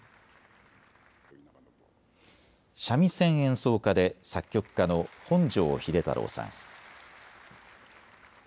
三味線演奏家で作曲家の本條秀太郎さん。